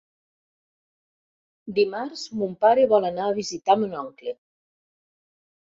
Dimarts mon pare vol anar a visitar mon oncle.